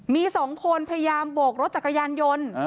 มี๒คนพยายามโบกรถจักรยานยนต์